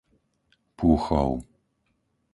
Púchov